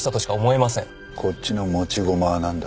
こっちの持ち駒は何だ。